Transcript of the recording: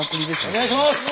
お願いします！